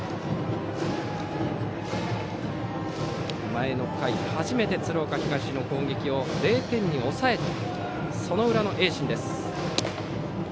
前の回、初めて鶴岡東の攻撃を０点に抑えてその裏の盈進です。